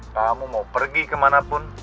kamu mau pergi kemana pun